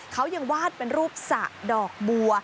เขายังวาดเป็นรูปสระดอกบัว